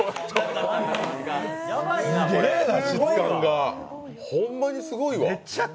すごいわ質感が、ほんまにすごいわ。